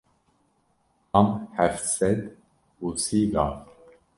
Tam heft sed û sî gav.